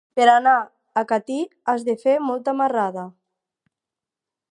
Per anar a Catí has de fer molta marrada.